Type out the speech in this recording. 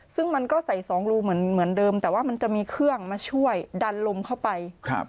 ซึ่งมันก็ใส่สองรูเหมือนเดิมแต่ว่ามันจะมีเครื่องมาช่วยดันลมเข้าไป